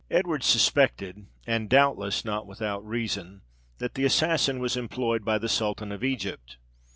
Edward suspected, and doubtless not without reason, that the assassin was employed by the sultan of Egypt.